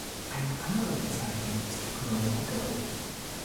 Eine andere Bezeichnung ist "Grow or go".